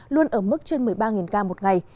luôn ở mức trên một mươi ba ca một ngày